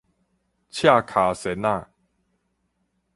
赤跤仙仔